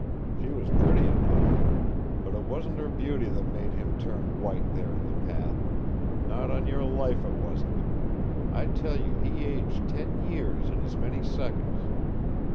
She was pretty enough! But it wasn't her beauty that made him turn white there in the path. Not on your life it wasn't! I tell you he aged ten years in as many seconds.